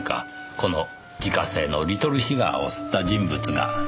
この自家製のリトルシガーを吸った人物が。